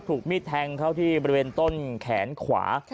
ถูกมีดแทงเข้าที่บริเวณต้นแขนขวา